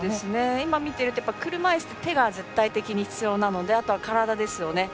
今見ていると車いすって手が絶対的に必要なのであとは体ですよね。